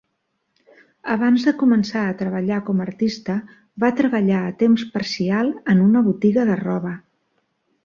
Abans de començar a treballar com a artista, va treballar a temps parcial en una botiga de roba.